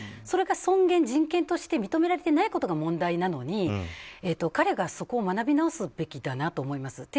それが尊厳、人権として認められていないことが問題なのに、彼がそこを学び直すべきだなと思います。